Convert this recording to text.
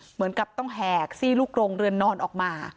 เหมือนกับต้องแหกซี่ลูกกรงเรือนนอนออกมา